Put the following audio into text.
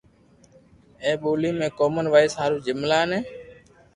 اي بوني ۾ ڪومن وائس ھارون جملا بي